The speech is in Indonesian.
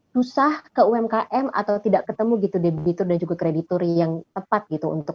susah ke umkm atau tidak ketemu gitu debitur dan juga kreditur yang tepat gitu untuk